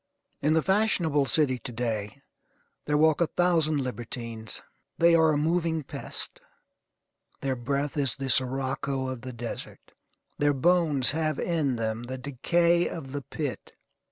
In the fashionable city to day there walk a thousand libertines. They are a moving pest. Their breath is the sirocco of the desert. Their bones have in them the decay of the pit.